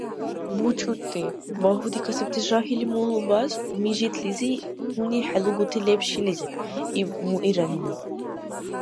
— БучӀути, багьуди касибти жагьил маллубас мижитлизи гьуни хӀелугути леб шилизиб, — иб муиранни.